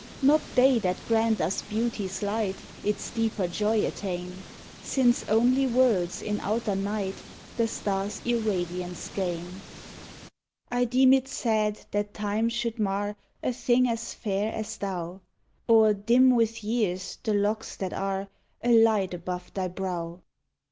Not they that grant us Beauty's light Its deeper joy attain, Since only worlds in outer night The star's irradiance gain. I deem it sad that Time should mar A thing as fair as thou, Or dim with years the locks that are A light above thy brow.